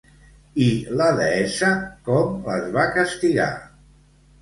I la deessa com les va castigar?